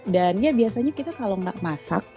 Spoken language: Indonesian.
dan ya biasanya kita kalau nggak masak